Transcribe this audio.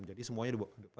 jadi semuanya di bawa